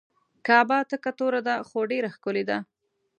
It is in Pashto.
کعبه تکه توره ده خو ډیره ښکلې ده.